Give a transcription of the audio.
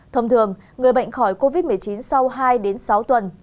thông thường người bệnh khỏi covid một mươi chín sau hai đến sáu tuần